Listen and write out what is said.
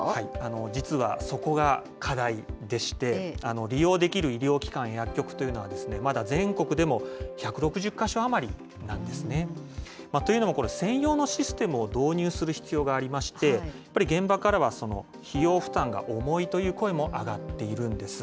実はそこが課題でして、利用できる医療機関、薬局というのは、まだ全国でも１６０か所余りなんですね。というのも、これ、専用のシステムを導入する必要がありまして、現場からは費用負担が重いという声も上がっているんです。